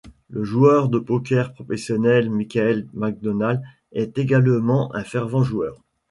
Le joueur de poker professionnel Michael McDonald est également un fervent joueur.